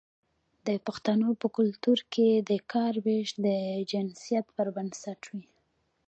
د پښتنو په کلتور کې د کار ویش د جنسیت پر بنسټ وي.